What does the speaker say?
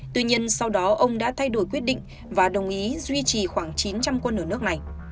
tuy nhiên sau đó ông đã thay đổi quyết định và đồng ý duy trì khoảng chín trăm linh quân ở nước này